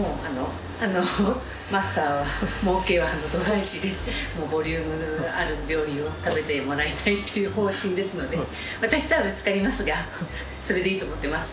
マスターはもうけは度外視でボリュームある料理を食べてもらいたいっていう方針ですので私とはぶつかりますがそれでいいと思ってます。